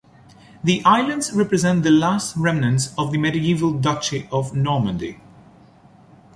The islands represent the last remnants of the medieval Duchy of Normandy.